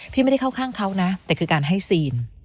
ไม่ได้เข้าข้างเขานะแต่คือการให้ซีน